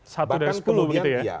satu dari sepuluh begitu ya